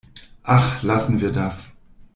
Ach, lassen wir das!